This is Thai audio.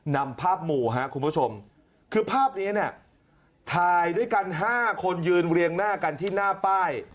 นำภาพหมู่ครับคุณผู้ชมคือภาพนี้เนี่ยถ่ายด้วยกัน๕คนยืนเรียงหน้ากันที่หน้าป้าย